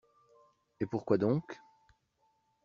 Et pourquoi donc?